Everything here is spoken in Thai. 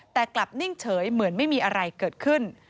แต่กลับนิ่งเฉยเหมือนไม่มีอะไรเกิดขึ้น